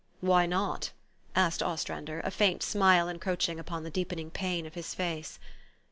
" Why not? " asked Ostrander, a faint smile en croaching upon the deepening pain of his face.